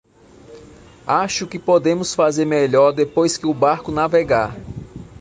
Acho que podemos fazer melhor depois que o barco navegar.